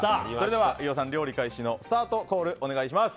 飯尾さん、料理開始のスタートコール、お願いします。